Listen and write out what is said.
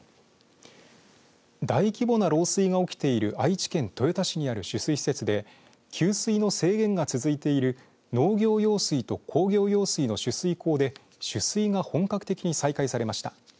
大規模な漏水が起きている愛知県豊田市にある取水施設で給水の制限が続いている農業用水と工業用水の取水口で取水が本格的に再開されました。